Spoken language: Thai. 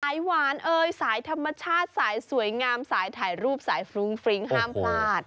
สายหวานเอ่ยสายธรรมชาติสายสวยงามสายถ่ายรูปสายฟรุ้งฟริ้งห้ามพลาด